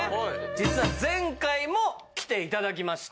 実は前回も来て頂きました。